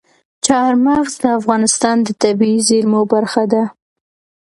چار مغز د افغانستان د طبیعي زیرمو برخه ده.